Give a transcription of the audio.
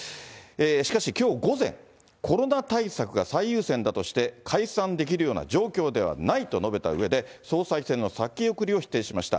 しかし、きょう午前、コロナ対策が最優先だとして、解散できるような状況ではないと述べたうえで、総裁選の先送りを否定しました。